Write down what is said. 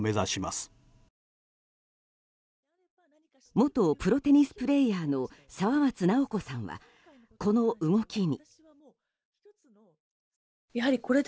元プロテニスプレーヤーの沢松奈生子さんはこの動きに。